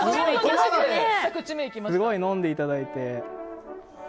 すごい飲んでいただいて。